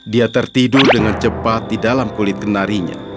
dia tertidur dengan cepat di dalam kulit kenarinya